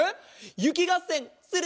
ゆきがっせんする？